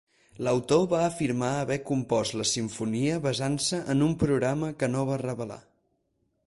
L'autor va afirmar haver compost la simfonia basant-se en un programa que no va revelar.